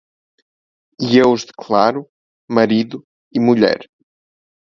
E eu os declaro: Marido e Mulher.